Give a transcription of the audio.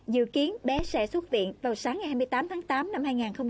dự kiến bé sẽ xuất viện vào sáng ngày hai mươi tám tháng tám năm hai nghìn hai mươi